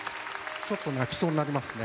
ちょっと泣きそうになりますね。